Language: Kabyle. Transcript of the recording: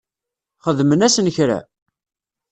Xedmen-asen kra?